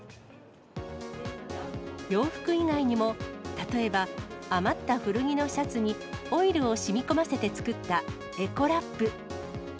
洋服以外にも、例えば、余った古着のシャツにオイルをしみこませて作ったエコラップ。